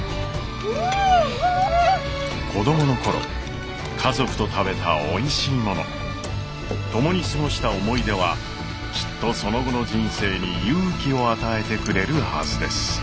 子供の頃家族と食べたおいしいもの共に過ごした思い出はきっとその後の人生に勇気を与えてくれるはずです。